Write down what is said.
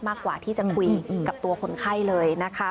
มากกว่าที่จะคุยกับตัวคนไข้เลยนะคะ